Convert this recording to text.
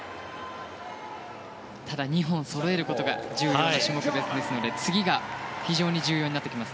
ただ、２本そろえることが重要な種目ですので次が非常に重要です。